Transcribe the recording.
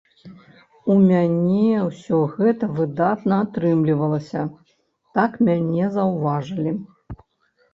У мяне ўсё гэта выдатна атрымлівалася, так мяне заўважылі.